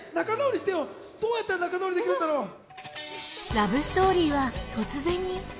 ラブストーリーは突然に。